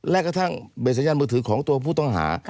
และกระทั่งเบสสัญญาณมือถือของตัวผู้ต้องหา